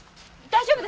大丈夫。